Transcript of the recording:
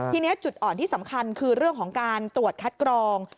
ทีนี้จุดอ่อนที่สำคัญคือเรื่องของการตรวจคัดกรอง